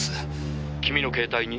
「君の携帯に？」